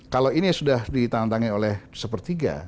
kalau ini sudah ditandatangani oleh sepertiga